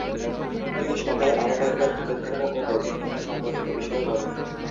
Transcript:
তিনি সভায় আরো কয়েকবার হিন্দুধর্ম ও বৌদ্ধধর্ম সম্পর্কিত বিষয়ে বলেন।